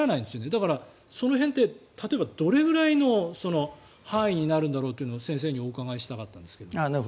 だから、その辺って例えばどれくらいの範囲になるんだろうというのを先生にお伺いしたかったんですけど。